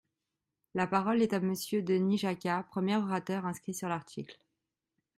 La parole est à Monsieur Denis Jacquat, premier orateur inscrit sur l’article.